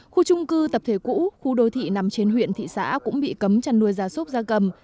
khu trung cư tập thể cũ khu đô thị nằm trên huyện thị xã cũng bị cấm chăn nuôi gia súc gia cầm